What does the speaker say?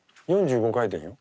４５回転よ。